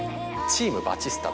『チーム・バチスタ』